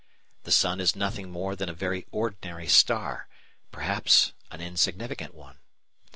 The sun is nothing more than a very ordinary star, perhaps an insignificant one.